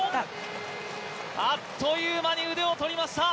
あっという間に腕を取りました。